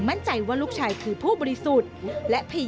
ทำไมเราต้องเป็นแบบเสียเงินอะไรขนาดนี้เวรกรรมอะไรนักหนา